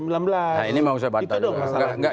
nah ini mau saya bantah dulu